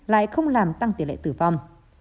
lại không làm tăng tỷ lệ tử vong